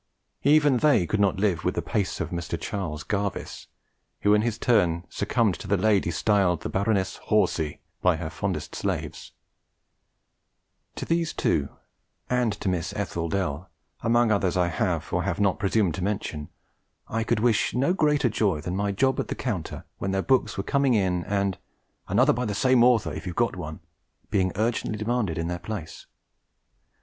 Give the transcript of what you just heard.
Even they could not live the pace of Mr. Charles Garvice, who in his turn succumbed to the lady styled the Baroness Horsy by her fondest slaves; to these two and to Miss Ethel Dell, among others I have or have not presumed to mention, I could wish no greater joy than my job at that counter when their books were coming in, and 'another by the same author, if you've got one,' being urgently demanded in their place.